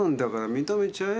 認めちゃえよ。